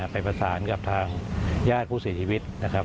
ไปประสานกับทางญาติผู้เสียชีวิตนะครับ